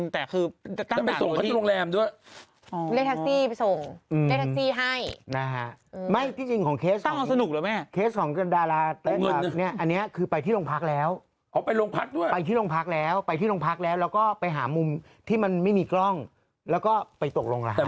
เธอแค่มีกรวยอ่ะเธอแค่มีกรวยมาตั้งแล้วเธอก็แต่งตัวใครต้องร่วมกว่าแต่หมายว่าคนที่ยืนตรงนั้นคือเป็นจริง